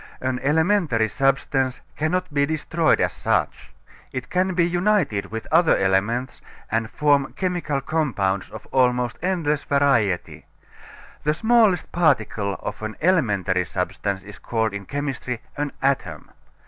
An elementary substance cannot be destroyed as such. It can be united with other elements and form chemical compounds of almost endless variety. The smallest particle of an elementary substance is called in chemistry an atom.